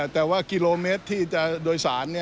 แต่ว่ากิโลเมตรที่จะโดยสาร